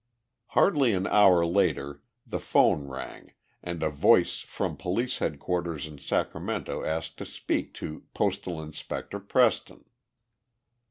Hardly an hour later the phone rang and a voice from police headquarters in Sacramento asked to speak to "Postal Inspector Preston."